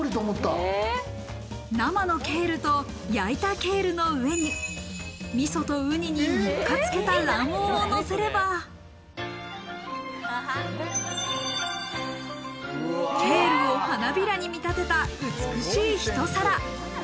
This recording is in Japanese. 生のケールと焼いたケールの上に味噌とウニに３日漬けた卵黄をのせればケールを花びらに見立てた美しいひと皿。